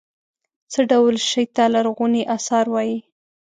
څه ډول شي ته لرغوني اثار وايي.